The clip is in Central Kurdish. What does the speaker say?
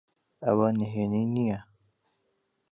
ئەوە نهێنی نییە.